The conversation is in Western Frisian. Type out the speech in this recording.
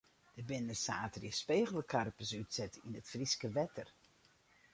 Der binne saterdei spegelkarpers útset yn it Fryske wetter.